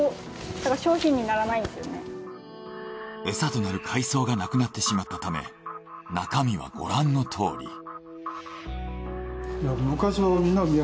エサとなる海藻がなくなってしまったため中身はご覧のとおり。